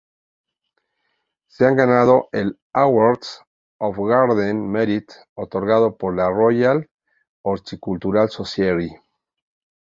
Se ha ganado el Award of Garden Merit otorgado por la Royal Horticultural Society.